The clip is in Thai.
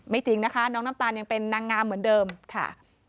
จริงนะคะน้องน้ำตาลยังเป็นนางงามเหมือนเดิมค่ะ